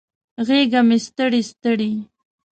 غیږه مې ستړي، ستړي